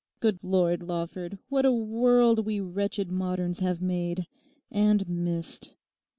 Good Lord, Lawford, what a world we wretched moderns have made, and missed!